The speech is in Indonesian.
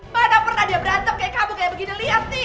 mana pernah dia berantem kayak kamu kayak begini lihat nih